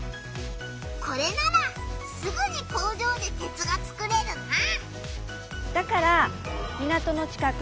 これならすぐに工場で鉄が作れるな！